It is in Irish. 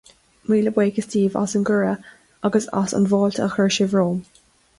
Míle buíochas daoibh as an gcuireadh agus as an bhfáilte a chuir sibh romham.